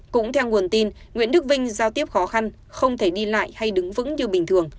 cũng theo nguồn tin nguyễn đức vinh giao tiếp khó khăn không thể đi lại hay đứng vững như bình thường